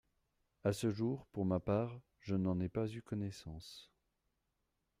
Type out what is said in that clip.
À ce jour, pour ma part, je n’en ai pas eu connaissance.